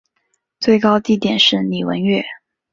最高地点是礼文岳。